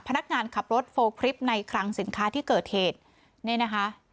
พนักงานขับรถโฟล์คลิปในคลังสินค้าที่เกิดเหตุเนี่ยนะคะ